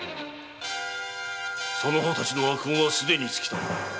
その方たちの悪運はすでに尽きたぞ。